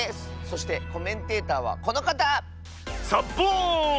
そしてコメンテーターはこのかた。サッボーン！